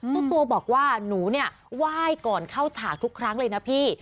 เจ้าตัวบอกว่าหนูเนี่ยไหว้ก่อนเข้าฉากทุกครั้งเลยนะพี่